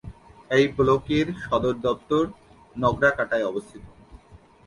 এই ব্লকের সদর দফতর নগরাকাটায় অবস্থিত।